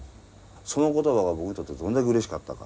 その言葉が僕にとってどんだけうれしかったか。